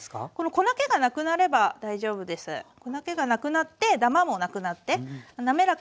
粉けがなくなってダマもなくなって滑らかな状態になったらＯＫです。